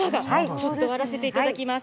ちょっと割らせていただきます。